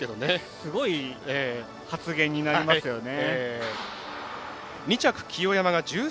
すごい発言になりますよね。